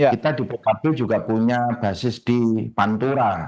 kita di pkb juga punya basis di pantura